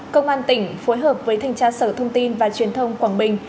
công an tỉnh phối hợp với thành trá sở thông tin và truyền thông quảng bình